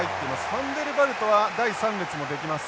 ファンデルバルトは第３列もできます。